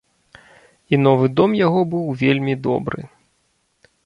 І новы дом яго быў вельмі добры.